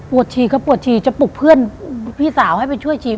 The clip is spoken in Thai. ฉี่ก็ปวดฉี่จะปลุกเพื่อนพี่สาวให้ไปช่วยชี